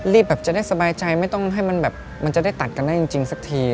แบบจะได้สบายใจไม่ต้องให้มันแบบมันจะได้ตัดกันได้จริงสักที